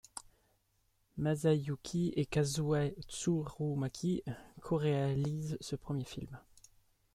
Masayuki et Kazuya Tsurumaki coréalisent ce premier film.